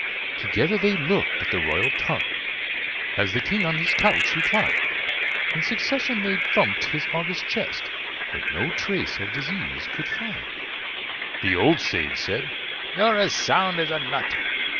Together they looked at the royal tongue, As the King on his couch reclined; In succession they thumped his august chest, But no trace of disease could find. The old sage said, "You're as sound as a nut."